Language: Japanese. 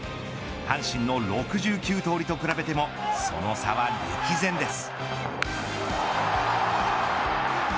阪神の６９通りと比べてもその差は歴然です。